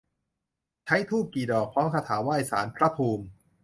ใช้ธูปกี่ดอก พร้อมคาถาไหว้ศาลพระภูมิ